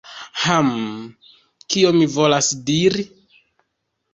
Hmm. Kion mi volas diri?